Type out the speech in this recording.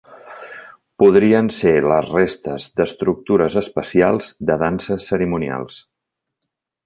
Podrien ser les restes d'estructures especials de danses cerimonials.